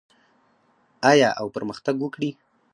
آیا او پرمختګ وکړي؟